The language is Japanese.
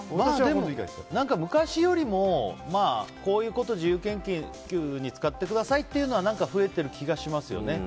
昔よりも、こういうこと自由研究に使ってくださいっていうのは何か増えてる気がしますよね。